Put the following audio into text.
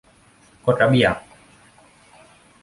กฎระเบียบ